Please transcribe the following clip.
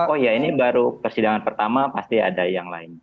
oh ya ini baru persidangan pertama pasti ada yang lain